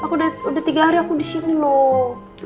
aku udah tiga hari aku disini loh